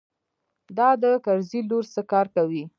دا د کرزي لور څه کار کوي.